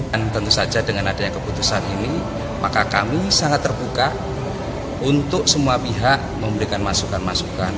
dan tentu saja dengan adanya keputusan ini maka kami sangat terbuka untuk semua pihak memberikan masukan masukan